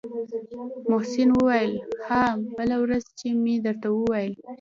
محسن وويل ها بله ورځ چې مې درته وويل.